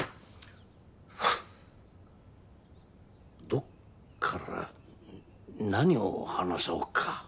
どこから何を話そうか？